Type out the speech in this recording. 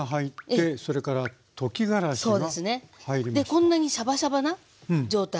こんなにシャバシャバな状態。